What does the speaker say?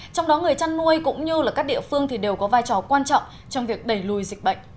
trong đó người chăn nuôi cũng như các địa phương đều có vai trò quan trọng trong việc đẩy lùi dịch bệnh